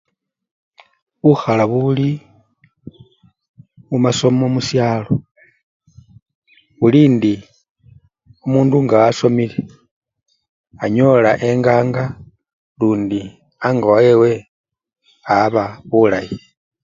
Bukhala buli mumasomo musyalo, bulindi omundu nga wasomile, anyola enganga lundi ango wewe aba bulayi.